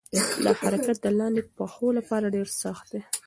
دا حرکت د لاندې پښو لپاره ډېر سخت دی.